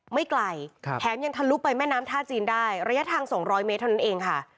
ไม่ไกลแถมยังทะลุไปแม่น้ำท่าจีนได้ระยะทาง๒๐๐เมตรเท่านั้นเองค่ะ